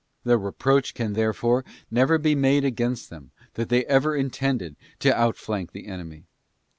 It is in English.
The reproach can therefore never be made against them that they ever intended to outflank their enemy.